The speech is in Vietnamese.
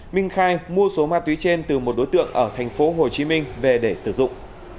minh khai mua số ma túy trên từ một đối tượng ở thành phố hồ chí minh về để sử dụng